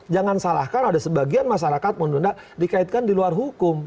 jangan salahkan ada sebagian masyarakat menunda dikaitkan di luar hukum